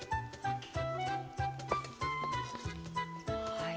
はい。